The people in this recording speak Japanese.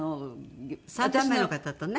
３番目の方とね。